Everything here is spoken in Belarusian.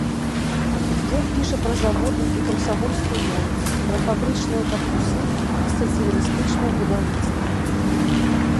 Ён піша пра заводы і камсамольскую моладзь, пра фабрычныя карпусы і сацыялістычнае будаўніцтва.